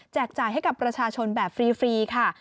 จ่ายให้กับประชาชนแบบฟรีค่ะ